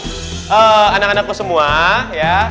untuk anak anakku semua ya